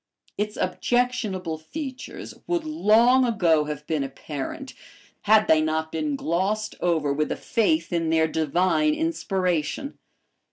Its objectionable features would long ago have been apparent had they not been glossed over with a faith in their divine inspiration.